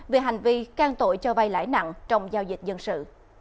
về hành vi can tội cho vay lãi nặng trong giao dịch dân sự